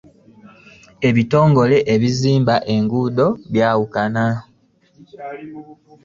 Ebitongole ebizimba enguudo byawukana .